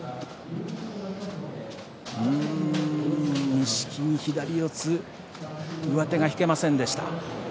錦木、左四つ上手が引けませんでした。